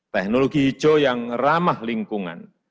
teknologi hijau yang ramah lingkungan